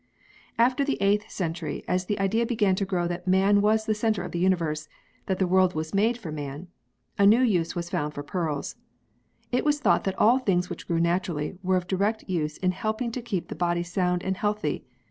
i] THE HISTORY OF PEARLS 7 After the 8th century, as the idea began to grow that man was the centre of the universe, that the world was made for man, a new use was found for pearls. It was thought that all things which grew naturally, were of direct use in helping to keep the body sound and healthy.